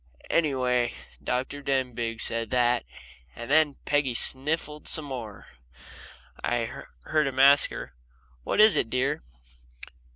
Anyway, Dr. Denbigh said that, and then Peggy sniffled some more, and I heard him ask her: "What is it, dear?"